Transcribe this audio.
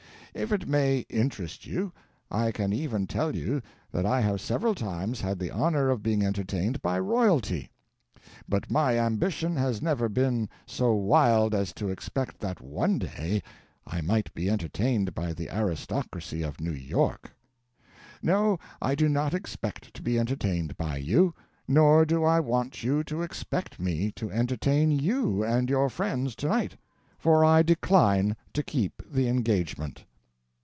If it may interest you, I can even tell you that I have several times had the honor of being entertained by royalty; but my ambition has never been so wild as to expect that one day I might be entertained by the aristocracy of New York. No, I do not expect to be entertained by you, nor do I want you to expect me to entertain you and your friends to night, for I decline to keep the engagement."